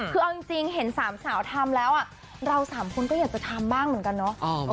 คือเอาจริงเห็นสามสาวทำแล้วเราสามคนก็อยากจะทำบ้างเหมือนกันเนาะ